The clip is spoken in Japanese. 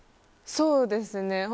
そうですね。